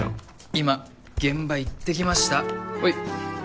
今現場行ってきましたほい。